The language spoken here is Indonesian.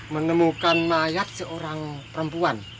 menemukan mayat seorang perempuan